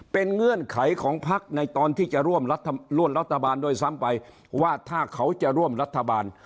เป็นเงื่อนไขของพักในตอนที่จะร่วมรัฐบาลด้วยซ้ำไปว่าถ้าเขาจะร่วมรัฐบาล